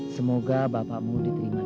semoga bapakmu diterima di sisi allah swt